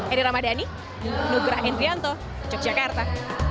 eri ramadhani nugra endrianto yogyakarta